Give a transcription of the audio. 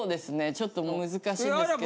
ちょっと難しいんですけども。